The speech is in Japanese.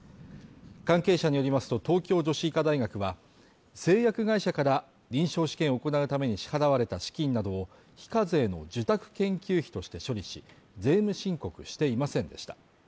関係者によりますと東京女子医科大学は、製薬会社から臨床試験を行うために支払われた資金などを非課税の受託研究費として処理し、税務申告していませんでした。